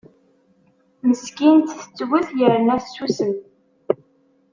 Meskint tettwet yerna tessusem.